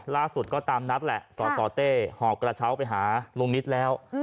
ล่าสุดก็ตามนัดแหละสสเต้หอบกระเช้าไปหาลุงนิดแล้ว